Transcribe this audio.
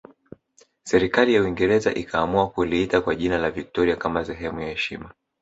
Serikali ya Uingereza ikaamua kuliita kwa jina la Victoria kama sehemu ya heshima